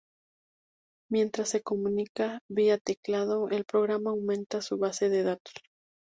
Mientras se comunica, vía teclado, el programa aumenta su base de datos.